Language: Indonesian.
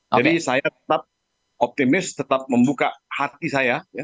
jadi saya tetap optimis tetap membuka hati saya